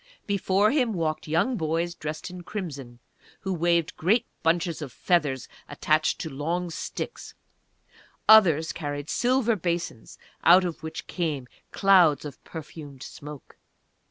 Before him walked young boys dressed in crimson, who waved great bunches of feathers attached to long sticks; others carried silver basins out of which came clouds of perfumed smoke.